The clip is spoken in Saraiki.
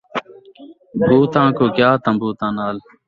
بھوتاں کوں کیا تمبوتاں نال